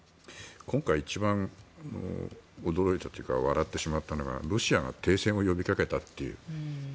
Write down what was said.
今回、一番驚いたというか笑ってしまったのがロシアが停戦を呼びかけたって。